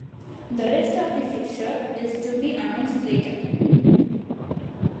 The rest of the fixture is to be announced later.